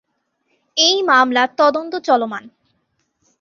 এই মামলার তদন্ত চলমান।